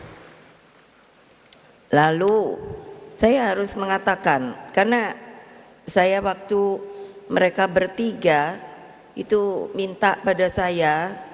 lalu saya harus mengatakan karena saya waktu mereka bertiga itu minta pada saya